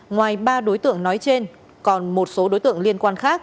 ngoài ba đối tượng nói trên còn một số đối tượng liên quan khác